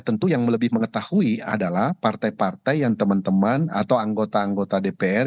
tentu yang lebih mengetahui adalah partai partai yang teman teman atau anggota anggota dpr